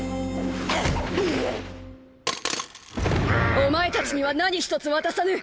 お前たちには何ひとつ渡さぬ！